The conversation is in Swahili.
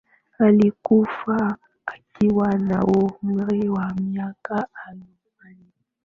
alikufa akiwa na umri wa miaka alobaini